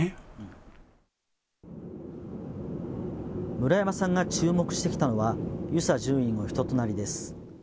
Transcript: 村山さんが注目してきたのは遊佐准尉の人となりです。